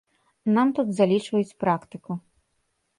Нам тут залічваюць практыку.